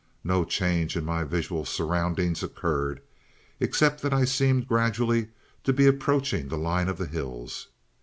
No change in my visual surroundings occurred, except that I seemed gradually to be approaching the line of hills.